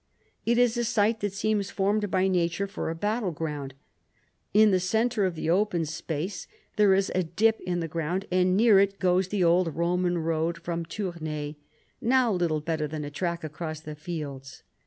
It is a site that seems formed by nature for a battle ground. In the centre of the open space there is a dip in the ground, and near it goes the old Eoman road from Tournai, now little better than a track across the fields.